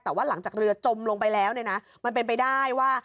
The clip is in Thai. แต่ว่าหลังจากเรือจมลงไปแล้วเนี่ยนะมันเป็นไปได้ว่า